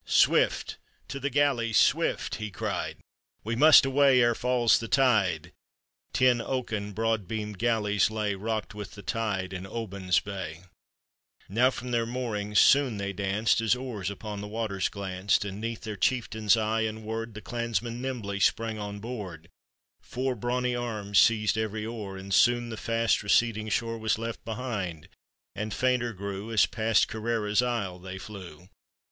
"Swift, to the galleys, swift!" he cried, " We must away ere falls the tide." Ten oaken, broad beamed galleys lay, Hocked with the tide, in Oban's bay, Now from their moorings soon they danced, As oars upon the waters glanced. And 'neath their chieftain's eye and word, The clansmen nimbly sprang on board, Pour brawny arms seized every oar, And soon the fast receding shore Was left behind, and fainter grew, As past Kerrera's isle they flew.